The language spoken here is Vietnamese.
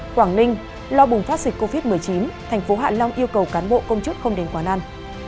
quảng ninh lo bùng phát dịch covid một mươi chín thành phố hạ long yêu cầu cán bộ công chức không đến quán ăn